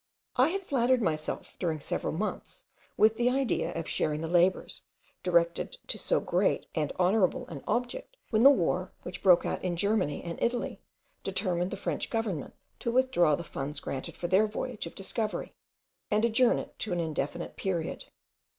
I had flattered myself during several months with the idea of sharing the labours directed to so great and honourable an object when the war which broke out in Germany and Italy, determined the French government to withdraw the funds granted for their voyage of discovery, and adjourn it to an indefinite period.